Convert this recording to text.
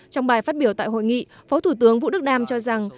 trong bài phát biểu tại hội nghị phó thủ tướng vũ đức đam cho rằng